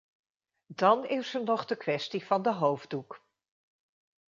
Dan is er nog de kwestie van de hoofddoek.